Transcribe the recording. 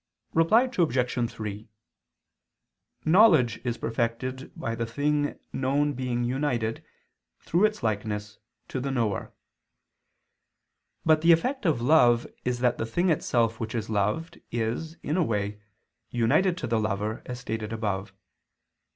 Reply Obj. 3: Knowledge is perfected by the thing known being united, through its likeness, to the knower. But the effect of love is that the thing itself which is loved, is, in a way, united to the lover, as stated above.